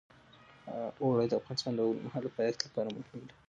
اوړي د افغانستان د اوږدمهاله پایښت لپاره مهم رول لري.